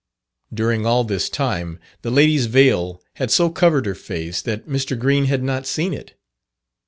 During all this time, the lady's veil had so covered her face, that Mr. Green had not seen it.